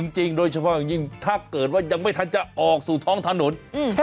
โดยเฉพาะอย่างยิ่งถ้าเกิดว่ายังไม่ทันจะออกสู่ท้องถนน